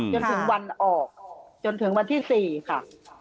จนถึงวันออกจนถึงวันที่๔ค่ะ